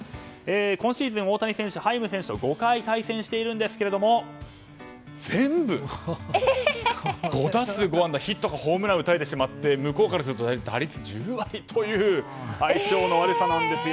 今シーズン、大谷選手ハイム選手と５回対戦しているんですが全部５打数５安打ヒットかホームランを打たれてしまうと向こうからすると打率１０割という相性の悪さなんです。